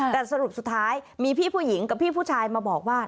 แต่สรุปสุดท้ายมีพี่ผู้หญิงกับพี่ผู้ชายมาบอกว่า